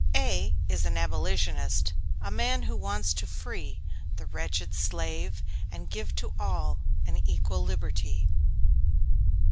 A A is an Abolitionist A man who wants to free The wretched slave and give to all An equal liberty.